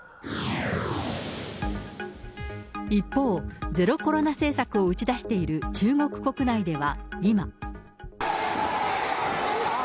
一方、ゼロコロナ政策を打ち出している中国国内では、今。